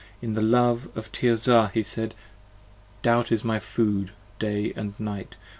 In the love of Tirzah he said: Doubt is my food day & night.